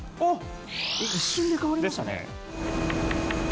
一瞬で変わりましたね。